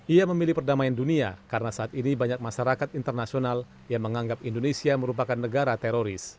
ia memilih perdamaian dunia karena saat ini banyak masyarakat internasional yang menganggap indonesia merupakan negara teroris